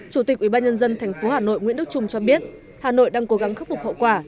chủ tịch ủy ban nhân dân tp hà nội nguyễn đức trung cho biết hà nội đang cố gắng khắc phục hậu quả